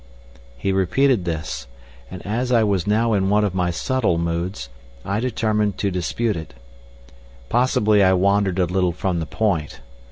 He repeated this, and as I was now in one of my subtle moods, I determined to dispute it. Possibly I wandered a little from the point.